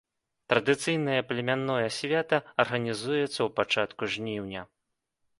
Традыцыйнае племянное свята арганізуецца ў пачатку жніўня.